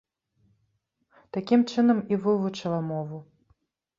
Такім чынам і вывучыла мову.